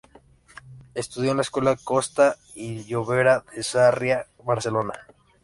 Estudió en la escuela Costa y Llobera de Sarriá, Barcelona.